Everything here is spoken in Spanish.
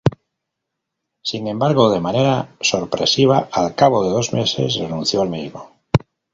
Sin embargo, de manera sorpresiva al cabo de dos meses renunció al mismo.